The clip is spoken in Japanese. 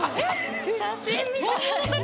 写真みたい。